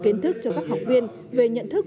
kiến thức cho các học viên về nhận thức